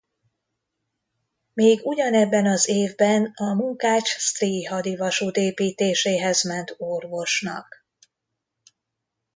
Még ugyanebben az évben a Munkács-Sztrij hadi vasút építéséhez ment orvosnak.